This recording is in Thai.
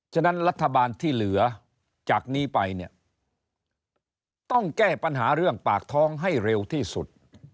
ฉะนั้นรัฐบาลที่เหลือจากนี้ไปเนี่ยต้องแก้ปัญหาเรื่องปากท้องให้เร็วที่สุด